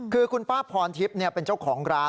คือคุณป้าพรทิพย์เป็นเจ้าของร้าน